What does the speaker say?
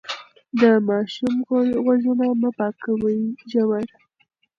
د ماشوم غوږونه مه پاکوئ ژور.